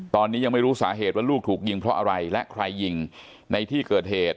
ตอนนี้ยังไม่รู้สาเหตุว่าลูกถูกยิงเพราะอะไรและใครยิงในที่เกิดเหตุ